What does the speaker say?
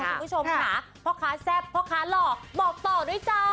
คุณผู้ชมค่ะพ่อค้าแซ่บพ่อค้าหล่อบอกต่อด้วยจ้า